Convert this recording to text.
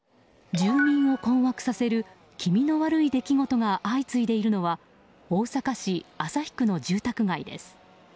住民を困惑させる気味の悪い出来事が相次いでいるのは大阪市旭区の住宅街です。